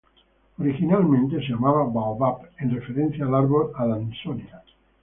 Originalmente se llamaba Baobab, en referencia al árbol "Adansonia".